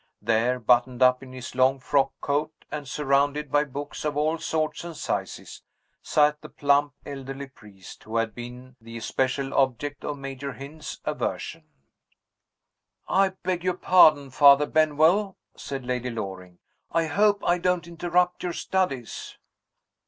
There, buttoned up in his long frock coat, and surrounded by books of all sorts and sizes, sat the plump elderly priest who had been the especial object of Major Hynd's aversion. "I beg your pardon, Father Benwell," said Lady Loring; "I hope I don't interrupt your studies?"